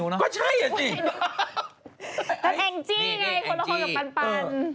แล้วแอ้นจี่ไงคนท้องกับปั้น